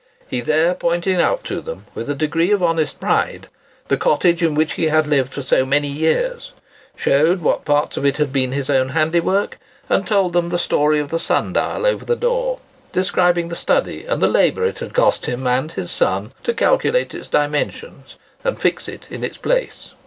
He there pointed out to them, with a degree of honest pride, the cottage in which he had lived for so many years, showed what parts of it had been his own handiwork, and told them the story of the sun dial over the door, describing the study and the labour it had cost him and his son to calculate its dimensions, and fix it in its place.